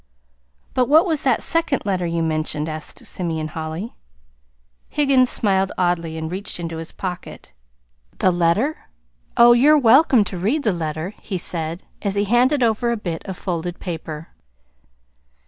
"But what was that second letter you mentioned?" asked Simeon Holly. Higgins smiled oddly, and reached into his pocket. "The letter? Oh, you're welcome to read the letter," he said, as he handed over a bit of folded paper.